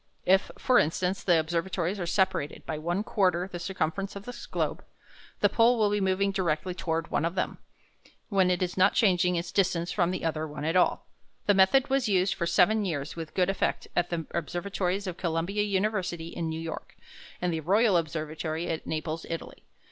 If, for instance, the observatories are separated by one quarter the circumference of the globe, the pole will be moving directly toward one of them, when it is not changing its distance from the other one at all. This method was used for seven years with good effect at the observatories of Columbia University in New York, and the Royal Observatory at Naples, Italy.